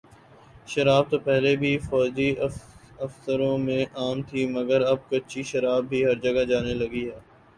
شراب تو پہلے بھی فوجی آفیسروں میں عام تھی مگر اب تو کچی شراب ہر جگہ پی جانے لگی ہے